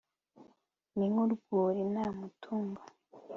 ni nk'urwuri nta matungo